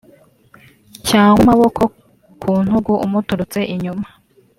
cyangwa maboko ku ntugu umuturuts inyuma